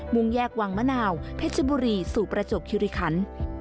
งแยกวังมะนาวเพชรบุรีสู่ประจบคิริคัน